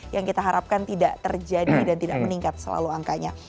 yang kita harapkan tidak terjadi dan tidak meningkat selalu angkanya